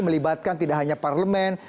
melibatkan tidak hanya parlemen